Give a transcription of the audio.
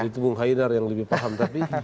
ya itu bang haidar yang lebih paham tapi